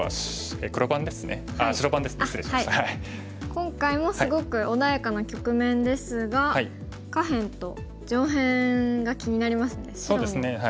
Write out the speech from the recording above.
今回もすごく穏やかな局面ですが下辺と上辺が気になりますね白。